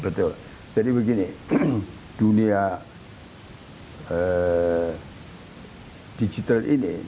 betul jadi begini dunia digital ini